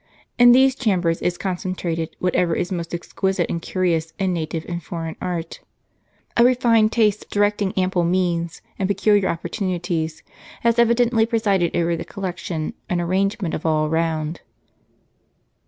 In these chambers is concentrated whatever is most exquisite and curious, in native and foreign art. A refined taste directing anqDle means, and peculiar op])ortunities, has evidently presided over the collection and ari angement of all around.